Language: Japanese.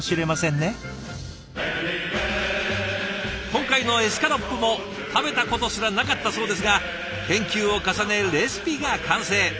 今回のエスカロップも食べたことすらなかったそうですが研究を重ねレシピが完成。